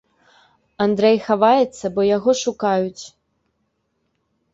Андрэй хаваецца, бо яго шукаюць.